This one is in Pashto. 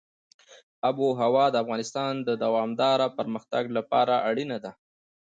آب وهوا د افغانستان د دوامداره پرمختګ لپاره اړینه ده.